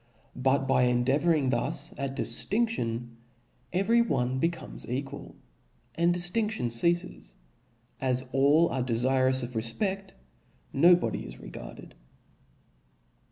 But by endea vouring thus at diftinftion, every one becomes equal, and dlftinftion ceafes ; as all arc defirous of refpecl, no body is regarded.